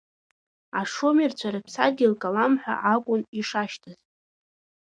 Ашумерцәа рыԥсадгьыл калам ҳәа акәын ишашьҭаз.